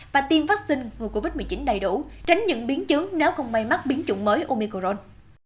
và tiêm vắc xin ngụ covid một mươi chín đầy đủ tránh những biến chứng nếu không may mắc biến chủng mới omicron